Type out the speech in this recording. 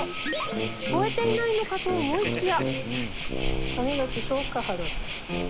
聞こえていないのかと思いきや。